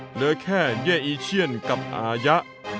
เหลือแค่เย่อีเชียนกับอายะ